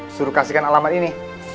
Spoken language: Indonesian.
suruh kasihkan alamat ini